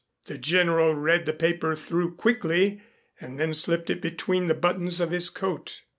The General read the paper through quickly and then slipped it between the buttons of his coat.